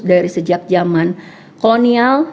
dari sejak zaman kolonial